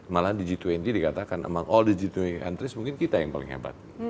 malah di g dua puluh dikatakan dari semua negara g dua puluh mungkin kita yang paling hebat